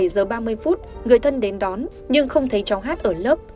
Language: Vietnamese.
một mươi bảy giờ ba mươi phút người thân đến đón nhưng không thấy cháu hát ở lớp